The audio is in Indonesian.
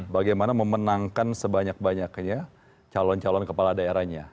bagaimana memenangkan sebanyak banyaknya calon calon kepala daerahnya